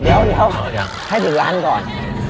เดี๋ยวให้ถึงร้านก่อน